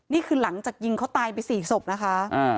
นี่คือหลังจากยิงเขาตายไป๔ศพนะคะ